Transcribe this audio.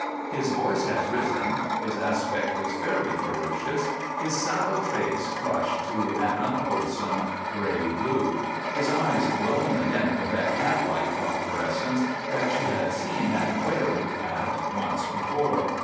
His voice had risen; his aspect was fairly ferocious; his sallow face flushed to an unwholesome grey blue; his eyes glowing again with that catlike phosphorescence that she had seen and quailed at once before.